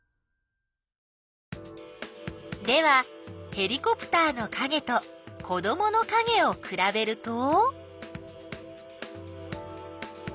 ではヘリコプターのかげと子どものかげをくらべると？